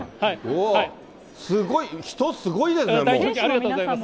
すごい、人すごいですね、もありがとうございます。